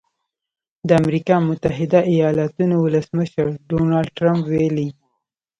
د امریکا متحده ایالتونو ولسمشر ډونالډ ټرمپ ویلي